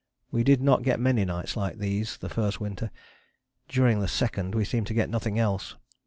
We did not get many nights like these the first winter; during the second we seemed to get nothing else.